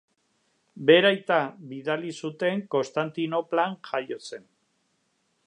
Bere aita bidali zuten Konstantinoplan jaio zen.